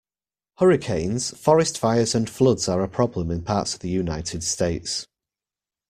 Hurricanes, forest fires and floods are a problem in parts of the United States.